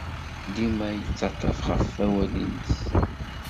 Dima tettaḍḍaf deg wawal-nnes.